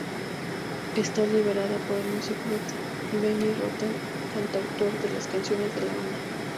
Está liderada por el músico Benny Rotten cantautor de las canciones de la banda.